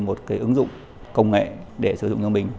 một cái ứng dụng công nghệ để sử dụng cho mình